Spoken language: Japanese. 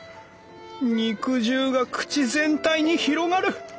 肉汁が口全体に広がる。